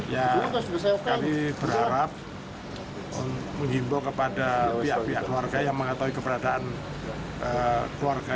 ya kami berharap menghimbau kepada pihak pihak keluarga yang mengetahui keberadaan keluarga